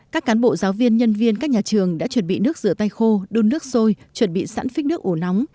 các cán bộ giáo viên nhân viên các nhà trường đã chuẩn bị nước rửa tay khô đun nước sôi chuẩn bị sẵn phích nước ổ nóng